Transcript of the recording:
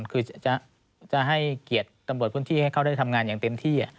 คือจะให้เกียรติตำรวจพื้นที่ให้เขาได้ทำงานอย่างเต็มที่